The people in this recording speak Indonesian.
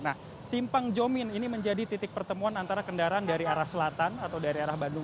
nah simpang jomin ini menjadi titik pertemuan antara kendaraan dari arah selatan atau dari arah bandung